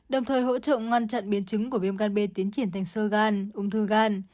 đồng thời hỗ trợ ngăn chặn biến chứng của viêm gan b tiến triển thành sơ gan ung thư gan